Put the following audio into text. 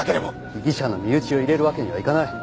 被疑者の身内を入れるわけにはいかない。